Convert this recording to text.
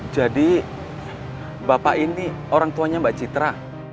jadi bapak ini orang tuanya mbak citra